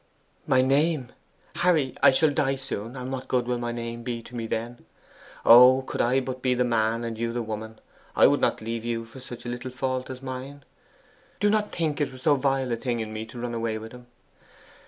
'My name! Harry, I shall soon die, and what good will my name be to me then? Oh, could I but be the man and you the woman, I would not leave you for such a little fault as mine! Do not think it was so vile a thing in me to run away with him.